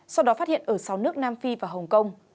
sau đó phát hiện ở sáu nước nam phi và hồng kông